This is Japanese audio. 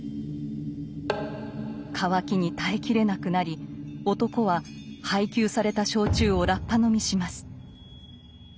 渇きに耐えきれなくなり男は配給された焼酎をラッパ飲みします。